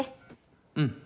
うん。